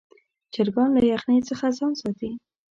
چرګان له یخنۍ څخه ځان ساتي.